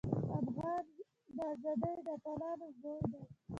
افغان د ازادۍ د اتلانو زوی دی.